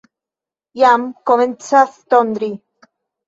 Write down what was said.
Jam komencas tondri.